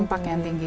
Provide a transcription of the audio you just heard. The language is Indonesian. campak yang tinggi